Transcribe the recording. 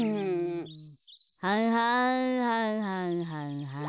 はんはんはんはんはんはん。